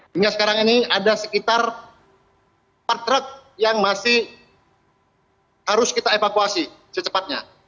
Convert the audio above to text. hingga sekarang ini ada sekitar empat truk yang masih harus kita evakuasi secepatnya